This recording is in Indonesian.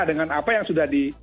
dengan apa yang sudah di